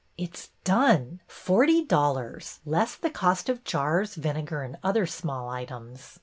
It 's done ! Forty dollars, less the cost of jars, vinegar, and other small items.